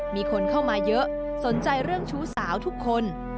มีคนเข้ามาเยอะสนใจเรื่องชู้สาวทุกคน